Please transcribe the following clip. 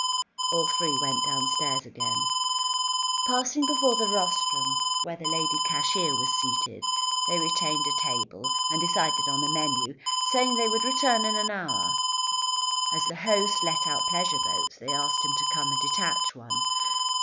All three went downstairs again. Passing before the rostrum where the lady cashier was seated, they retained a table, and decided on a menu, saying they would return in an hour. As the host let out pleasure boats, they asked him to come and detach one.